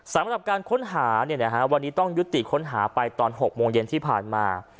สำหรับการค้นหาวันนี้ต้องยุติค้นหาไปตอน๖โมงเย็นที่ผ่านมา